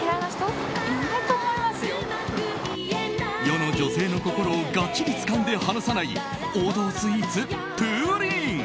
世の女性の心をがっちりつかんで離さない王道スイーツ、プリン。